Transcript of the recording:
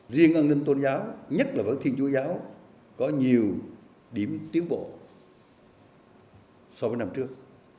riêng an ninh tôn giáo nhất là với thiên chúa giáo có nhiều điểm tiến bộ so với năm trước